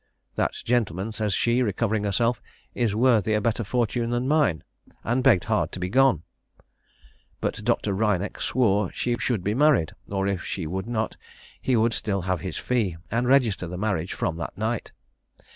'That gentleman,' says she, recovering herself, 'is worthy a better fortune than mine,' and begged hard to be gone. But Doctor Wryneck swore she should be married, or if she would not, he would still have his fee, and register the marriage from that night.